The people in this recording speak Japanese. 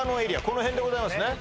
この辺でございますね